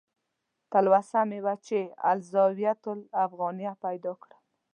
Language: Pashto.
تلوسه مې وه چې "الزاویة الافغانیه" پیدا کړم.